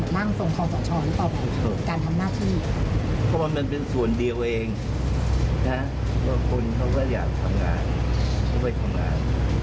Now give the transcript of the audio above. มันเป็นของไปทำงาน